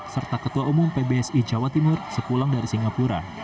serta ketua umum pbsi jawa timur sepulang dari singapura